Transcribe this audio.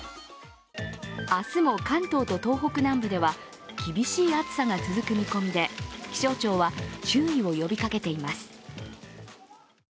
明日も、関東と東北北部では厳しい暑さが続く見込みで、気象庁は注意を呼びかけています。